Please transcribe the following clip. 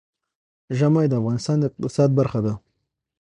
ژمی د افغانستان د اقتصاد برخه ده.